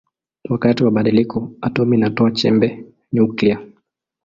Wakati wa badiliko atomi inatoa chembe nyuklia.